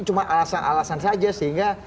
cuma alasan alasan saja sehingga